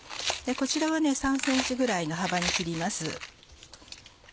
こちらは３ｃｍぐらいの幅に切ります。